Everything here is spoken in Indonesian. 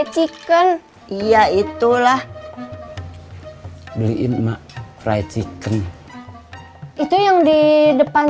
chicken iya itulah beliin mak fried chicken itu yang di depan